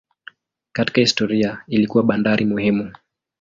Katika historia ilikuwa bandari muhimu.